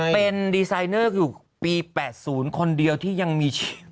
เป็นดีไซเนอร์อยู่ปี๘๐คนเดียวที่ยังมีชีวิต